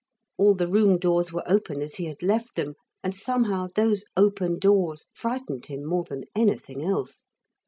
All the room doors were open as he had left them, and somehow those open doors frightened him more than anything else.